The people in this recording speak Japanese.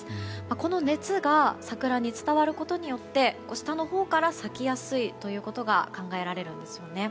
この熱が桜に伝わることで下のほうから咲きやすいということが考えられるんです。